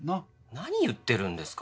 何言ってるんですか。